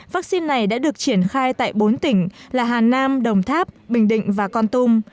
vaccine này đã được triển khai tại bốn tỉnh là hà nam đồng tháp bình định và con tum